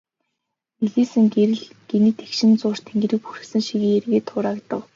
Нэлийсэн гэрэл гэнэт эгшин зуур тэнгэрийг бүрхсэн шигээ эргээд хураагдав.